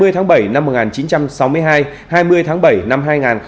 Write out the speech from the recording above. hai mươi tháng bảy năm một nghìn chín trăm sáu mươi hai hai mươi tháng bảy năm hai nghìn hai mươi